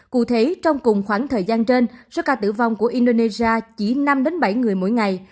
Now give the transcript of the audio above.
cụ thể trong cùng khoảng thời gian trên số ca tử vong của indonesia chỉ năm bảy người mỗi ngày